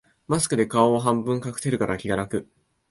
マスクで顔を半分隠せるから気が楽